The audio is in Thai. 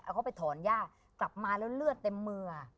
เขาไปถอนหญ้ากลับมาแล้วเลือดเต็มมือ